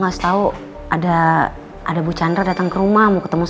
ngomong camee yang gue nangga karena tidak cukup malam